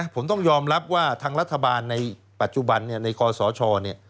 ผมต้องยอมรับว่าทางรัฐบาลในปัจจุบันในกรสช